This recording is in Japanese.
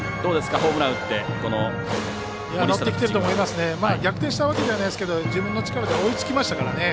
ホームラン打って森下のピッチングは。逆転したわけではないですけど自分の力で追いつきましたからね。